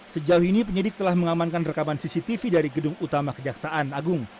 sejauh ini penyidik telah mengamankan rekaman cctv dari gedung utama kejaksaan agung